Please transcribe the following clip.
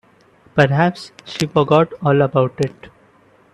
Perhaps she forgot all about it.